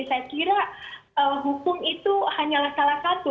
saya kira hukum itu hanyalah salah satu